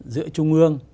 giữa trung ương